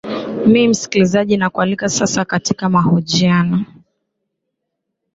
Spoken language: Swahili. m msikilizaji nakualika sasa katika mahojiano